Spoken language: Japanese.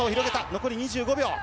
残り２５秒。